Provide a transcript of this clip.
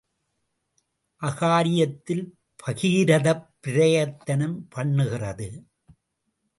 அகாரியத்தில் பகீரதப் பிரயத்தனம் பண்ணுகிறது.